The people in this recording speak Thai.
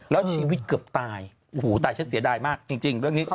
แล้วชีวิตเกือบตายโอ้โหตายฉันเสียดายมากจริงเรื่องนี้